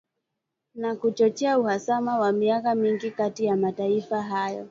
na kuchochea uhasama wa miaka mingi kati ya mataifa hayo